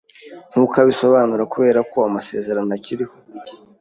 nkuko abisobanura kubera ko "amasezerano akiriho